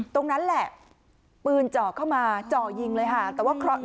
ตรงนั้นแหละปืนเจาะเข้ามาเจาะยิงเลยค่ะมันเหงาอะไรขนาดนี้